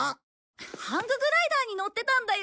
ハンググライダーに乗ってたんだよ。